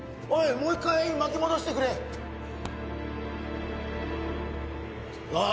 もう一回巻き戻してくれあ